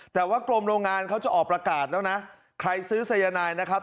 แต่ว่ากรมโรงงานเขาจะออกประกาศแล้วนะใครซื้อสายนายนะครับ